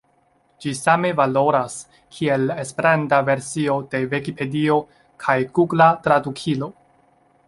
Ĝi same valoras, kiel Esperanta versio de Vikipedio kaj Gugla Tradukilo.